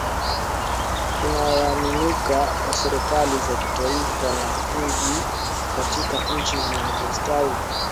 inayamkinika kwa serikali za kitaifa na miji katika nchi zinazostawi